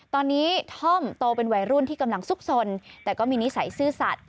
ตอนนี้ท่อมโตเป็นวัยรุ่นที่กำลังซุกสนแต่ก็มีนิสัยซื่อสัตว